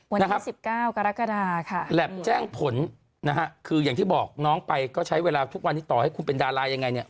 วันที่๑๙กรกฎาค่ะแหลปแจ้งผลนะฮะคืออย่างที่บอกน้องไปก็ใช้เวลาทุกวันนี้ต่อให้คุณเป็นดารายังไงเนี่ย